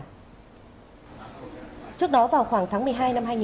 trước đó vào khoảng tháng một mươi hai năm hai nghìn một mươi hai